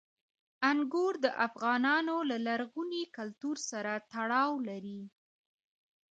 انګور د افغانانو له لرغوني کلتور سره تړاو لري.